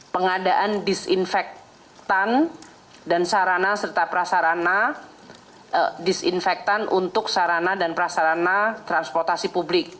pengadaan disinfektan dan sarana serta prasarana disinfektan untuk sarana dan prasarana transportasi publik